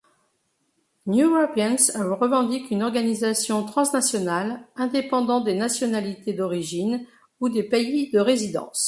Newropeans revendique une organisation transnationale, indépendante des nationalités d'origine ou des pays de résidence.